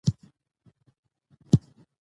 رسوب د افغانستان په هره برخه کې موندل کېږي.